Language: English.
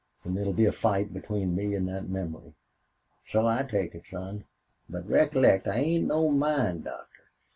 "Then it'll be a fight between me and that memory?" "So I take it, son. But recollect I ain't no mind doctor.